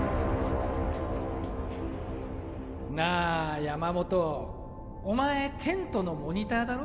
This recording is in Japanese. なあ山本お前テントのモニターだろ？